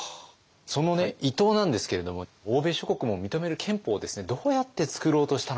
その伊藤なんですけれども欧米諸国も認める憲法をどうやってつくろうとしたのか。